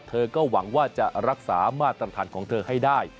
เธอก็หวังว่าจะรักษามาตรฐานของเธอให้ได้